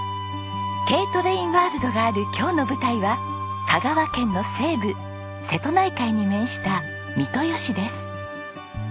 Ｋトレインワールドがある今日の舞台は香川県の西部瀬戸内海に面した三豊市です。